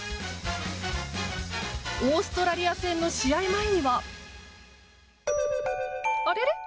オーストラリア戦の試合前にはあれれ？